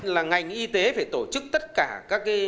là ngành y tế phải tổ chức tất cả các